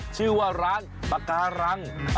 ชื่อว่าร้านปากการัง